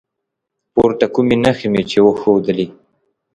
پورته کومې نښې مې چې وښودلي